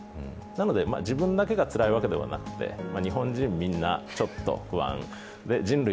なので、自分だけがつらいわけではなくて、日本人みんなちょっと不安で人類